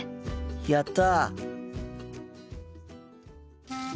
やった！